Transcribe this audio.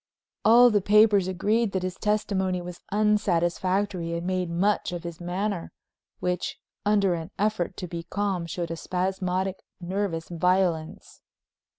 All the papers agreed that his testimony was unsatisfactory and made much of his manner, which, under an effort to be calm, showed a spasmodic, nervous violence.